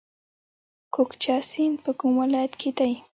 کوکچه سیند په کوم ولایت کې دی؟